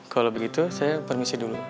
kalau begitu saya permisi dulu